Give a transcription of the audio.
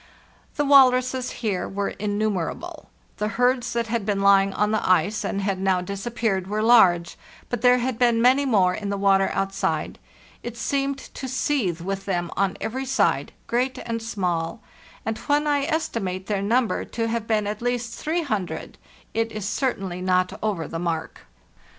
The walruses here were innumerable. The herds that had been lying on the ice and had now disappeared were large; but there had been many more in the water outside. It seemed to seethe with them on every side, great and small; and when I estimate their number to have been at least 300, it is certainly not over the mark.